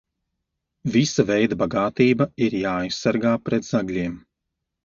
Visa veida bagātība ir jāaizsargā pret zagļiem.